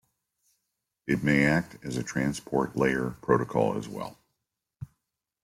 It may act as a transport layer protocol as well.